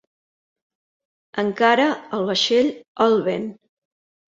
Encara el vaixell al vent.